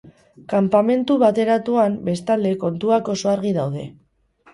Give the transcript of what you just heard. Kanpamentu bateratuan, bestalde, kontuak oso argi daude.